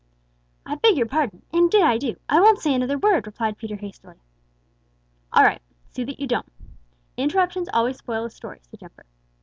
"I beg your pardon. Indeed I do. I won't say another word," replied Peter hastily. "All right, see that you don't. Interruptions always spoil a story," said Jumper.